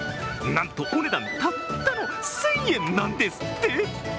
なんと、お値段たったの１０００円なんですって。